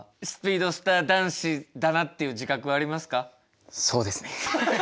スピードスター男子だなっていう自覚はありますか？